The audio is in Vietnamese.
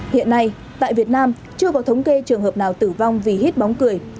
hiện nay tại việt nam chưa có thống kê trường hợp nào tử vong vì hít bóng cười